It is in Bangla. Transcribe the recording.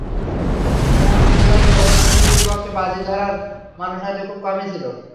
টুর্নামেন্ট শুরুর আগে ওয়েস্ট ইন্ডিজের পক্ষে বাজি ধরার মানুষ হয়তো খুব কমই ছিল।